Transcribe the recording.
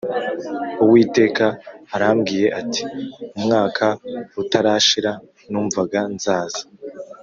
uwiteka arambwiye ati umwaka utarashira numvaga nzaza